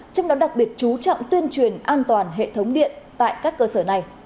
trong đó đặc biệt chú trọng tuyên truyền an toàn hệ thống điện tại các cơ sở này